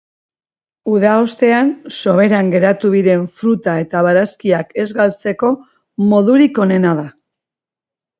Uda ostean soberan geratu diren fruta eta barazkiak ez galtzeko modurik onena da.